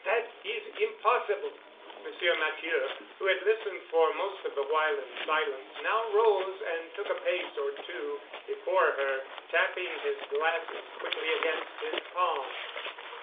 That is impossible." Monsieur Matthieu, who had listened for most of the while in silence, now rose and took a pace or two before her, tapping his glasses quickly against his palm.